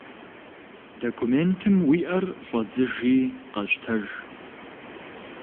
Документым уи ӏэр щӏэдзыжи къэщтэж.